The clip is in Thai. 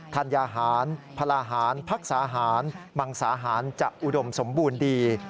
ธัญญาหารพลาหารพักษาหารมังสาหารจะอุดมสมบูรณ์ดี